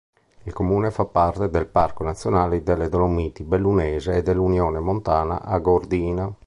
Il comune fa parte del Parco nazionale delle Dolomiti Bellunesi e dell'Unione montana Agordina.